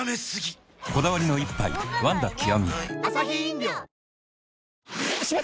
こだわりの一杯「ワンダ極」